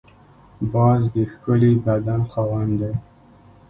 باز د ښکلي بدن خاوند دی